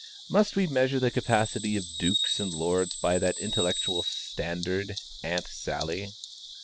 Must we measure the capacity of dukes and lords by that intellectual standard, "Aunt Sally?"